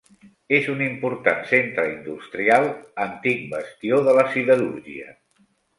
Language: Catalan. És un important centre industrial, antic bastió de la siderúrgia.